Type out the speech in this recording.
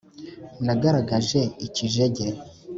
nagaragaje ikijege